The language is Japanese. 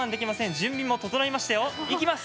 準備もととのいましたよ。